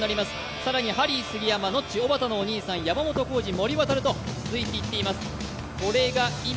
さらにハリー杉山、ノッチのお兄さんおばたのお兄さん、山本浩司、森渉と続いていっています。